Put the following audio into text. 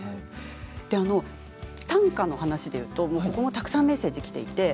短歌の話でいうとたくさんメッセージがきています。